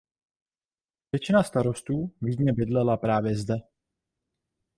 Většina starostů Vídně bydlela právě zde.